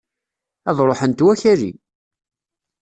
Ad ruḥent wakali!